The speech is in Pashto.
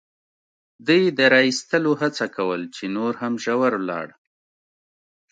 ده یې د را اېستلو هڅه کول، چې نور هم ژور ولاړ.